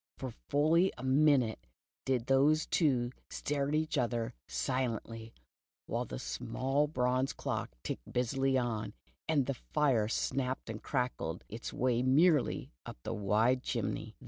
For fully a minute did those two stare at each other silently, while the small bronze clock ticked busily on, and the fire snapped and crackled its way merrily up the wide chimney.